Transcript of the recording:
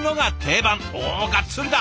おおがっつりだ！